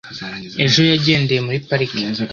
Ejo yagendeye muri parike .